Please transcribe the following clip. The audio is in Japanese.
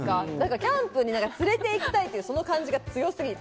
キャンプに連れて行きたいっていう感じが強すぎて。